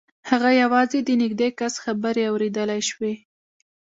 هغه یوازې د نږدې کس خبرې اورېدلای شوې